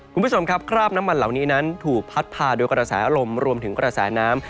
คุณผู้ชมครับคราบน้ำมันเหล่านี้นั้นถูกพัดพาโดยกระแสอารมณ์รวมถึงกระแสน้ำ